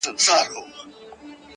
د سکندر او رکسانې یې سره څه,